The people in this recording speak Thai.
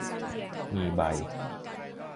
มีใบ